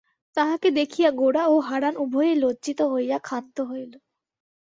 তাঁহাকে দেখিয়া গোরা ও হারান উভয়েই লজ্জিত হইয়া ক্ষান্ত হইল।